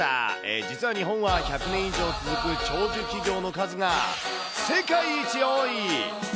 実は日本は１００年以上続く長寿企業の数が世界一多い。